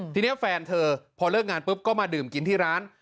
ทีนี้แฟนเธอพอเลิกงานปุ๊บก็มาดื่มกินที่ร้าน